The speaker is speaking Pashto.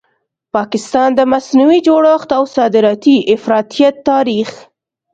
پاکستان؛ د مصنوعي جوړښت او صادراتي افراطیت تاریخ